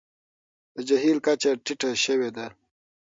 د جهیل کچه ټیټه شوې ده.